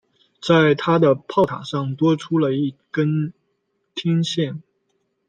在它的炮塔上多出了一根天线。